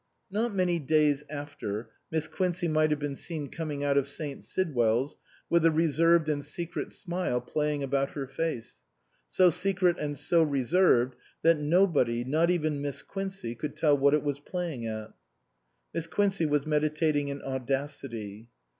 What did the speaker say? Not many days after, Miss Quincey might have been seen coming out of St. Sidwell's with a reserved and secret smile playing about her face ; so secret and so reserved, that nobody, not even Miss Quincey, could tell what it was playing at. Miss Quincey was meditating an audacity.